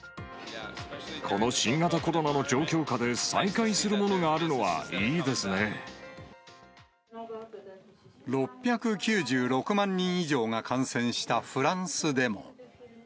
この新型コロナの状況下で再６９６万人以上が感染したフランスでも。